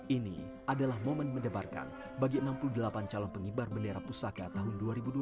ini adalah momen mendebarkan bagi enam puluh delapan calon pengibar bendera pusaka tahun dua ribu dua puluh